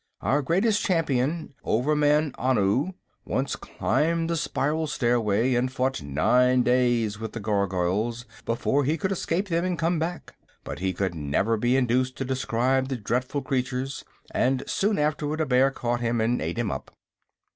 Our greatest Champion, Overman Anu, once climbed the spiral stairway and fought nine days with the Gargoyles before he could escape them and come back; but he could never be induced to describe the dreadful creatures, and soon afterward a bear caught him and ate him up."